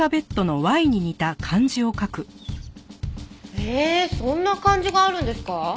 えーそんな漢字があるんですか？